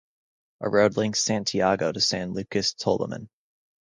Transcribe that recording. A road links Santiago to San Lucas Tolliman.